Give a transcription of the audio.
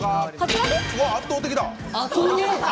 圧倒的だ！